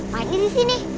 mana di sini